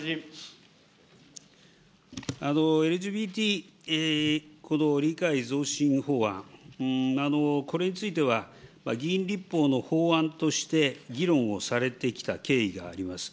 ＬＧＢＴ、この理解増進法案、これについては、議員立法の法案として議論をされてきた経緯があります。